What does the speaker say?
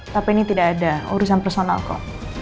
tapi ini tidak ada urusan personal kok